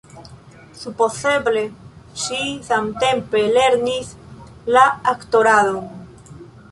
Supozeble ŝi samtempe lernis la aktoradon.